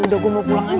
udah gue mau pulang aja